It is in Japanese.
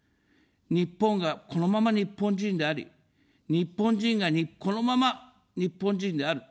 日本がこのまま日本人であり、日本人がこのまま日本人である。